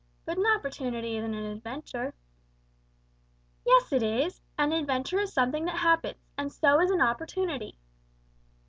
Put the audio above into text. "But an opportunity isn't an adventure." "Yes, it is, you stupid! An adventure is something that happens, and so is an opportunity."